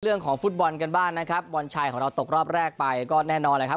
เรื่องของฟุตบอลกันบ้างนะครับบอลชายของเราตกรอบแรกไปก็แน่นอนแหละครับ